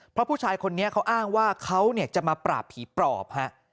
เพราะผู้ชายคนนี้เขาอ้างว่าเขาจะมาปราบผีปลอบฮะ